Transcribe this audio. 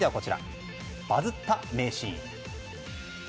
バズった名シーン。